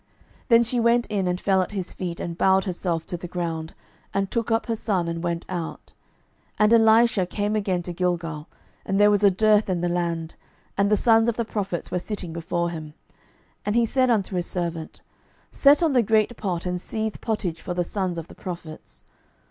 12:004:037 Then she went in, and fell at his feet, and bowed herself to the ground, and took up her son, and went out. 12:004:038 And Elisha came again to Gilgal: and there was a dearth in the land; and the sons of the prophets were sitting before him: and he said unto his servant, Set on the great pot, and seethe pottage for the sons of the prophets.